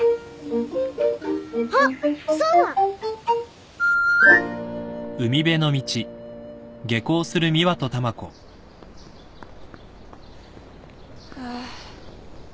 あっそうだ！ハァ。